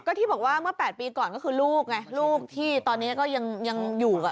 ก็ที่บอกว่าเมื่อ๘ปีก่อนก็คือลูกไงลูกที่ตอนนี้ก็ยังอยู่กับ